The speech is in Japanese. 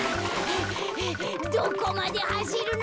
どこまではしるの？